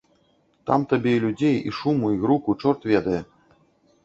Там табе і людзей, і шуму, і груку, чорт ведае.